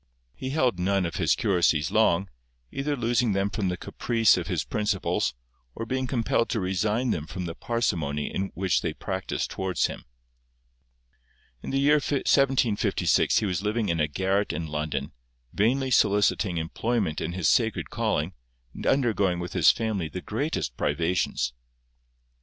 He held none of his curacies long, either losing them from the caprice of his principals, or being compelled to resign them from the parsimony which they practised towards him. In the year 1756 he was living in a garret in London, vainly soliciting employment in his sacred calling, and undergoing with his family the greatest privations.